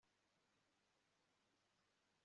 dore umugati wacu wari ushyushye